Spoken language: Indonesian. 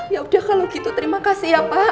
yaudah kalau gitu terima kasih ya pak